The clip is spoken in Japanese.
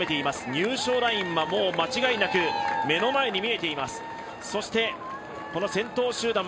入賞ラインはもう間違いなく目の前に見えています。